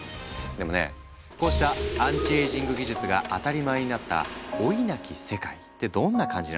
でもねこうしたアンチエイジング技術が当たり前になった老いなき世界ってどんな感じなんだろう？